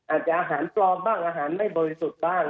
อาหารปลอมบ้างอาหารไม่บริสุทธิ์บ้าง